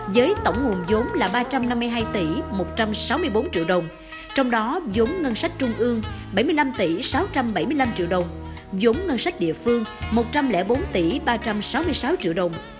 với tổng nguồn vốn là ba trăm năm mươi hai tỷ một trăm sáu mươi bốn triệu đồng trong đó giống ngân sách trung ương bảy mươi năm tỷ sáu trăm bảy mươi năm triệu đồng giống ngân sách địa phương một trăm linh bốn tỷ ba trăm sáu mươi sáu triệu đồng